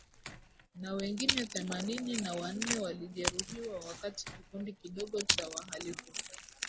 na wengine themanini na wanne walijeruhiwa wakati kikundi kidogo cha wahalifu